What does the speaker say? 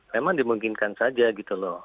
memang dimungkinkan saja gitu loh